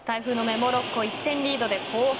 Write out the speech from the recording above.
モロッコ１点リードで後半。